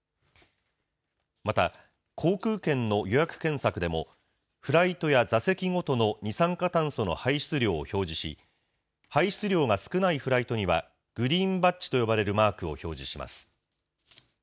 また、航空券の予約検索でも、フライトや座席ごとの二酸化炭素の排出量を表示し、排出量が少ないフライトには、グリーンバッジと呼ばれるマークを表示します。